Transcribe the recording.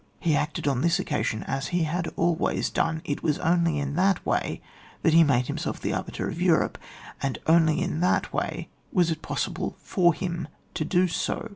lie acted oia this occasion as he had always done : it was only in &at way that he made him self the arbiter of Europe, and only in that way was it possible for him to do ao.